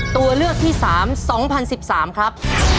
ตัวเลือกที่๓๒๐๑๓ครับ